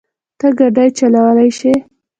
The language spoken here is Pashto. ته ګاډی چلولی شې؟